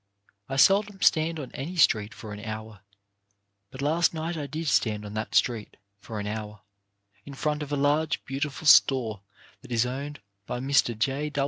I seldom stand on any street for an hour, but last night I did stand on that street for an hour, in front of a large, beautiful store that is owned by Mr. J.